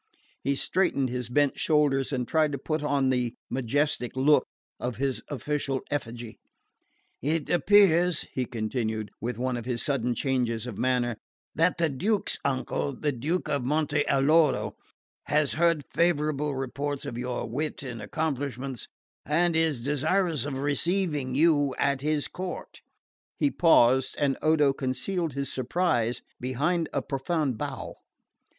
He straightened his bent shoulders and tried to put on the majestic look of his official effigy. "It appears," he continued, with one of his sudden changes of manner, "that the Duchess's uncle, the Duke of Monte Alloro, has heard favourable reports of your wit and accomplishments, and is desirous of receiving you at his court." He paused, and Odo concealed his surprise behind a profound bow.